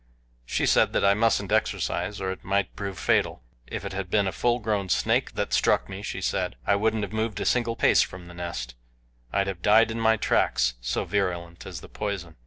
She said that I mustn't exercise, or it might prove fatal if it had been a full grown snake that struck me she said, I wouldn't have moved a single pace from the nest I'd have died in my tracks, so virulent is the poison.